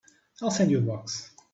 I'll send you a box.